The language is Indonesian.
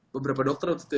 beberapa dokter waktu itu ya